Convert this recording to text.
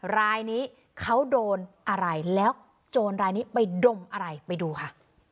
รายนี้เขาโดนอะไรแล้วโจรรายนี้ไปดมอะไรไปดูค่ะ